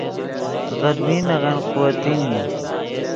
غدمین نغن قوتین ای